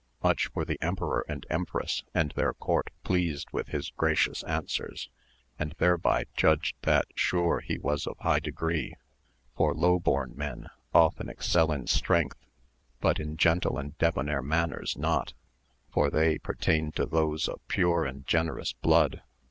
Much were the emperor and empress and their court pleased with his gracious answers, and thereby judged that sure he was of high degree, for low born men often excel in strength but in gentle and debonair manners not, for they pertain to those of pure and generous blood.